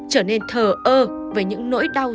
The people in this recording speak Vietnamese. trở nên thờ ơ với những nỗi đau